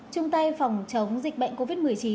chung tay phòng chống dịch bệnh covid một mươi chín